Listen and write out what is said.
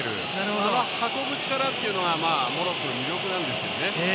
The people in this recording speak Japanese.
あの運ぶ力というのがモロッコの魅力なんですよね。